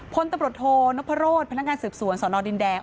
พลตำรวจโทนพโรธพนักงานสืบสวนสนดินแดง